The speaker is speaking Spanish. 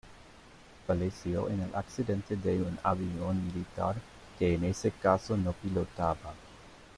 Falleció en el accidente de un avión militar, que en ese caso no pilotaba.